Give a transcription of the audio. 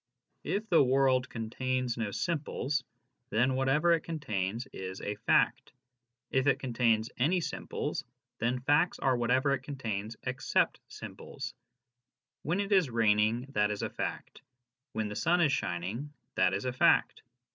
If the world contains no simples, then whatever it contains is a fact ; if it contains any simples, then facts are whatever it contains except simples. When it is raining, that is a fact ; when the sun is shining, that is a fact.